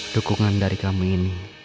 dukungan dari kamu ini